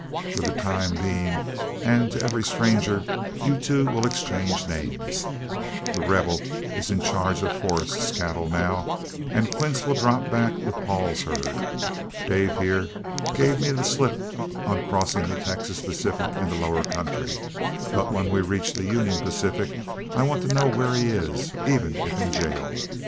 For the time being and to every stranger, you two will exchange names. The Rebel is in charge of Forrest's cattle now, and Quince will drop back with Paul's herd. Dave, here, gave me the slip on crossing the Texas Pacific in the lower country, but when we reach the Union Pacific, I want to know where he is, even if in jail.